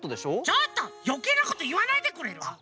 ちょっとよけいなこといわないでくれる？